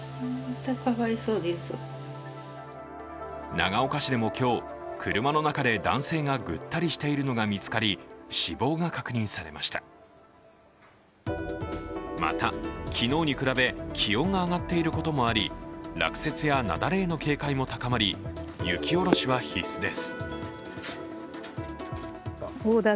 長岡市でも今日、車の中で男性がぐったりしているのが見つかり、また、昨日に比べ気温が上がっていることもあり、落雪や雪崩への警戒も高まり雪下ろしは必須です。